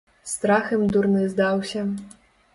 Страх ім дурны здаўся.